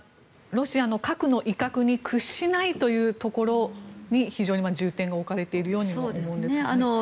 ロシアの核の威嚇に屈しないというところに非常に重点が置かれているように思いますが。